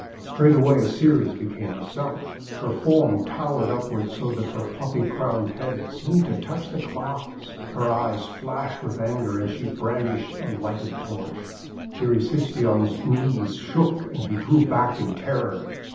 Straightway Ceres became herself. Her form towered upward so that her poppy crowned head seemed to touch the Clouds. Her eyes flashed with anger, and she brandished a lighted torch. Erysichthon's knees shook and he drew back in terror.